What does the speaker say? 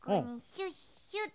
シュッシュッ。